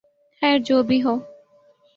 خیر جو بھی ہو